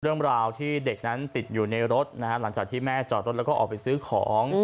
เรื่องราวที่เด็กนั้นติดอยู่ในรถนะฮะหลังจากที่แม่จอดรถแล้วก็ออกไปซื้อของ